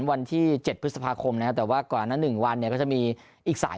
วันที่๗พฤษภาคมนะครับแต่ว่าก่อนนั้น๑วันเนี่ยก็จะมีอีกสาย